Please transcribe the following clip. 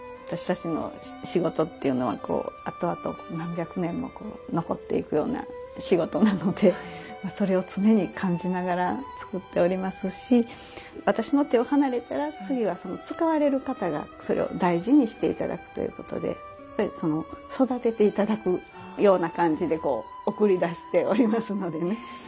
私たちの仕事っていうのはこうあとあと何百年も残っていくような仕事なのでそれを常に感じながら作っておりますし私の手を離れたら次はその使われる方がそれを大事にして頂くということで育てて頂くような感じでこう送り出しておりますのでね。